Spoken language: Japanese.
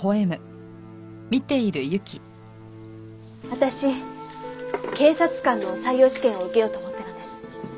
私警察官の採用試験を受けようと思ってるんです。